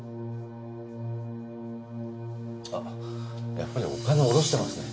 やっぱりお金を下ろしてますね。